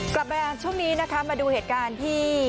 กลับมาช่วงนี้นะคะมาดูเหตุการณ์ที่